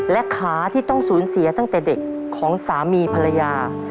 และขาที่ต้องสูญเสียตั้งแต่เด็กของสามีภรรยา